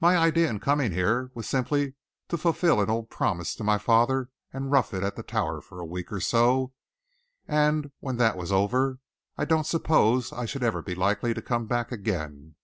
My idea in coming here was simply to fulfil an old promise to my father and to rough it at the Tower for a week or so, and when that was over, I don't suppose I should ever be likely to come back again.